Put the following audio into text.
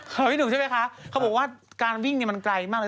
เขาไม่รู้ใช่ไหมคะเขาบอกว่าการวิ่งมันไกลมากเลย